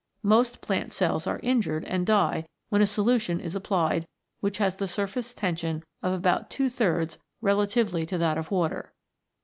Most plant cells are injured and die when a solution is applied which has the surface tension of about two thirds relatively to that of water.